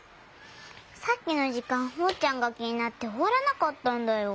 さっきのじかんおうちゃんがきになっておわらなかったんだよ。